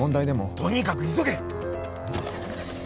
とにかく急げ！